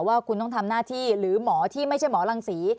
ว่าคุณต้องทำหน้าที่หรือหมอที่ไม่ใช่หมอรังศรี